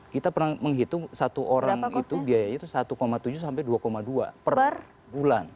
kita pernah menghitung satu orang itu biayanya itu satu tujuh sampai dua dua per bulan